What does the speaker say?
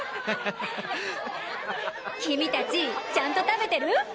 君達ちゃんと食べてる？